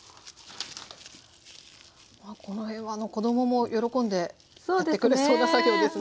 この辺はあの子供も喜んでやってくれそうな作業ですね。